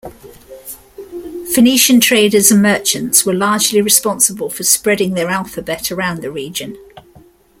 Phoenician traders and merchants were largely responsible for spreading their alphabet around the region.